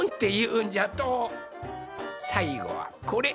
さいごはこれ！